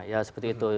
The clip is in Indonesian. ya seperti itu